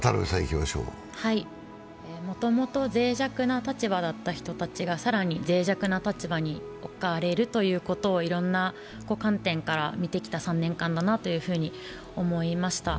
もともとぜい弱な立場だった人が更にぜい弱な立場に置かれるということをいろいろな観点から見てきた３年間だなと思いました。